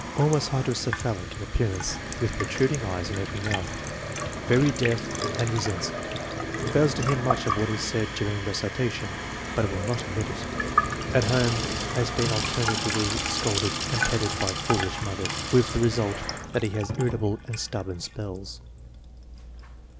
Almost hydrocepha lic in appearance, with protruding eyes and open mouth. Very deaf and resents it. Fails to hear much of what is said during recitation, but will not admit it. At home has been alternately scolded and petted by a foolish mother, with the result that he has irritable and stubborn spells.